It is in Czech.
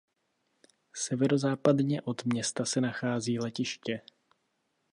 Severozápadně od města se nachází letiště.